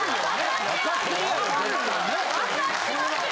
わかってますよ。